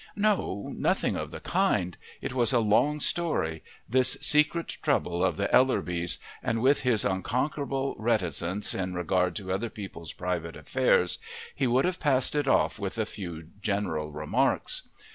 No, nothing of the kind; it was a long story this secret trouble of the Ellerbys, and with his unconquerable reticence in regard to other people's private affairs he would have passed it off with a few general remarks.